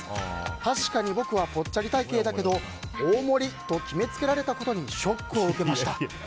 確かに僕はぽっちゃり体形だけど大盛りと決めつけられたことにショックを受けました。